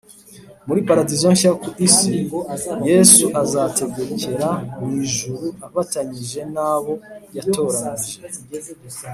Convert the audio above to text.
muri paradizo nshya ku isi Yesu azategekera mu ijuru afatanyije nabo yatoranyije